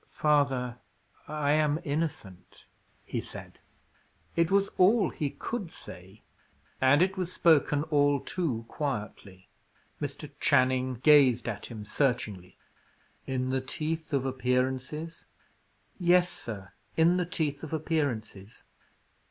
"Father, I am innocent," he said. It was all he could say; and it was spoken all too quietly. Mr. Channing gazed at him searchingly. "In the teeth of appearances?" "Yes, sir, in the teeth of appearances."